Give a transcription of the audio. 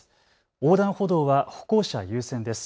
横断歩道は歩行者優先です。